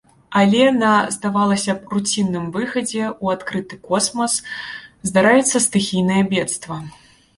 Але на, здавалася б, руцінным выхадзе ў адкрыты космас здараецца стыхійнае бедства.